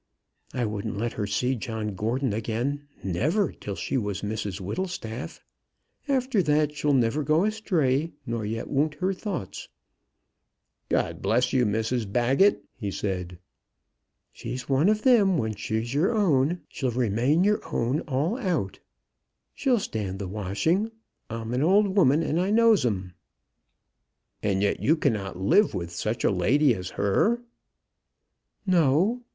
I wouldn't let her see John Gordon again, never, till she was Mrs Whittlestaff. After that she'll never go astray; nor yet won't her thoughts." "God bless you! Mrs Baggett," he said. "She's one of them when she's your own she'll remain your own all out. She'll stand the washing. I'm an old woman, and I knows 'em." "And yet you cannot live with such a lady as her?" "No!